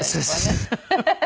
ハハハハ！